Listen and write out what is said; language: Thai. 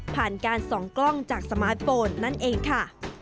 ผ่านการส่องกล้องจากสมาร์ทโฟนนั่นเองค่ะ